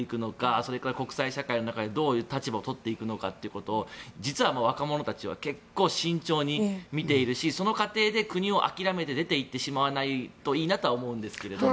それから国際社会の中でどういう立場を取るのかを実は若者たちは結構、慎重に見ているしその過程で国を諦めて出ていってしまわないといいなとは思うんですが。